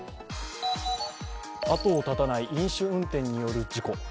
後を絶たない飲酒運転による事故。